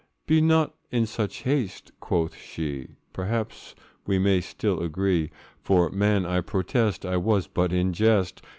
'Be not in such haste,' quoth she, 'Perhaps we may still agree; For, man, I protest I was but in jest!